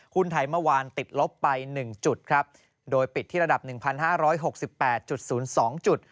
หุ้นไทยเมื่อวานติดลบไป๑จุดครับโดยปิดที่ระดับ๑๕๖๘๐๒จุด